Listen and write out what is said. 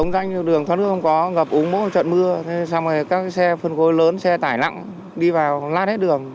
xong rồi các xe phân khối lớn xe tải nặng đi vào lát hết đường